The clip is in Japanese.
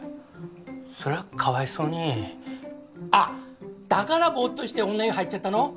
そりゃかわいそうにあっだからボーッとして女湯入っちゃったの？